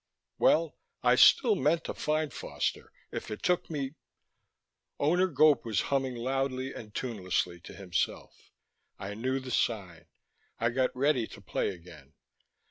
Well, I still meant to find Foster if it took me Owner Gope was humming loudly and tunelessly to himself. I knew the sign. I got ready to play again.